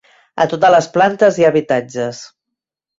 A totes les plantes hi ha habitatges.